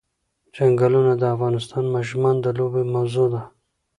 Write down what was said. چنګلونه د افغان ماشومانو د لوبو موضوع ده.